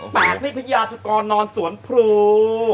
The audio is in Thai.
แปลกให้พญาสกรนอนสวนพลู